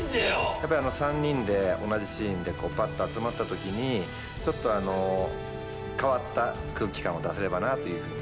やっぱり３人で同じシーンでパッと集まった時にちょっと変わった空気感を出せればなというふうに。